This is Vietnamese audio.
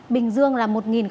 bình dương là một ba mươi hai